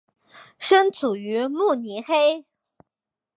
生卒于慕尼黑。